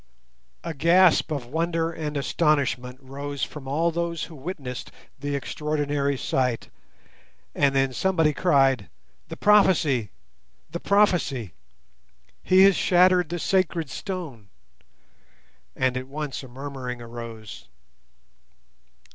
A gasp of wonder and astonishment rose from all those who witnessed the extraordinary sight, and then somebody cried, "The prophecy! the prophecy! He has shattered the sacred stone!" and at once a murmuring arose.